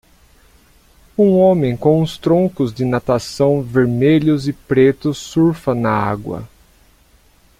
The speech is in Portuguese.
Um homem com os troncos de natação vermelhos e pretos surfa na água.